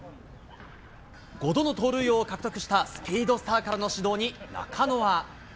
５度の盗塁王を獲得したスピードスターからの指導に、中野は。